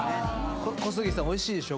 小杉さんおいしいでしょ。